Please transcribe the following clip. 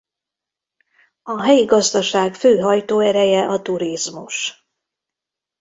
A helyi gazdaság fő hajtóereje a turizmus.